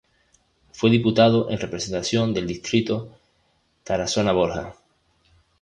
Fue Diputado en representación del distrito Tarazona-Borja.